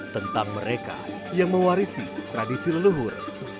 tentang mereka yang mewarisi tradisi leluhur